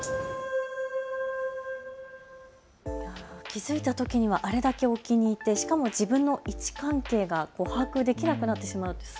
気付いたときにはあれだけ沖にいって、しかも自分の位置関係が把握できなくなってしまうという。